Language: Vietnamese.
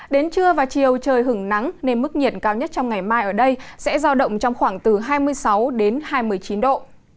đến trưa và chiều trời hứng nắng nên mức nhiệt cao nhất trong ngày mai ở đây sẽ giao động trong khoảng từ hai mươi sáu đến hai mươi chín độ